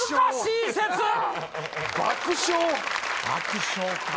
爆笑か